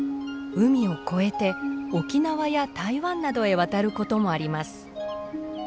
海を越えて沖縄や台湾などへ渡ることもあります。